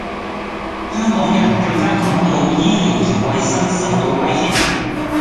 香港人更加感到醫療同衛生受到威脅